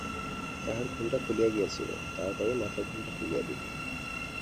তাহার ঘোমটা খুলিয়া গিয়াছিল, তাড়াতাড়ি মাথার ঘোমটা তুলিয়া দিল।